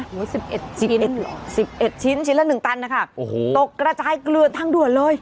หรือ๑๑ชิ้นหรอ๑๑ชิ้นชิ้นละ๑ตันค่ะตกกระจายเกลือทั้งด่วนเลย